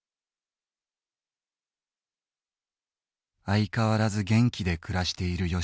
「相変わらず元気で暮らしている由